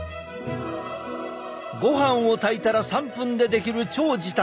ごはんを炊いたら３分で出来る超時短